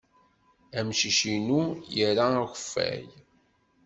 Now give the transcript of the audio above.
Amcic-inu ira akeffay.